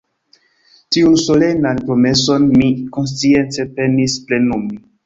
Tiun solenan promeson mi konscience penis plenumi.